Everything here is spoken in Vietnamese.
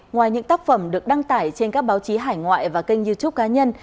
ngoài những tác phẩm được đăng tải trên các báo chí hải ngoại và kênh youtube cá nhân